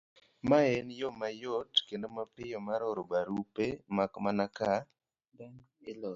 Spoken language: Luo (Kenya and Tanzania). Mae en yo mayot kendo mapiyo mar oro barupe, mak mana ka